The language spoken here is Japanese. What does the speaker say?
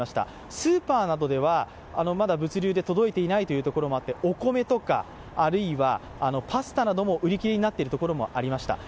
スーパーなどではまだ物流で届いていない所もあってお米とか、あるいはパスタなども売り切れになっているところもありました。